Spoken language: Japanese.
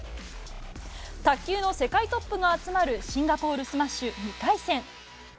卓球の世界トップが集まるシンガポールスマッシュ２回戦。